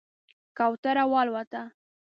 کوتره والوته